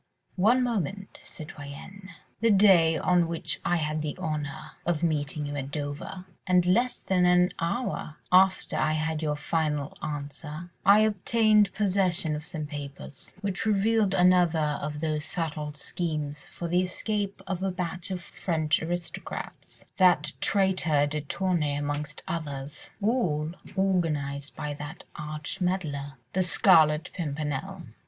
"One moment, citoyenne. The day on which I had the honour of meeting you at Dover, and less than an hour after I had your final answer, I obtained possession of some papers, which revealed another of those subtle schemes for the escape of a batch of French aristocrats—that traitor de Tournay amongst others—all organised by that arch meddler, the Scarlet Pimpernel.